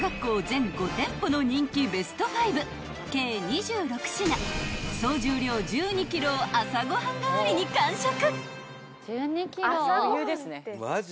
全５店舗の人気ベスト５計２６品総重量１２ｋｇを朝ご飯代わりに完食］